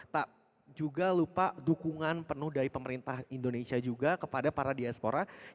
tak juga lupa dukungan penuh dari pemerintah indonesia juga kepada para diaspora